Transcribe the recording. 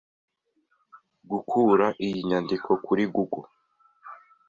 gukura iyinyandiko kuri gugo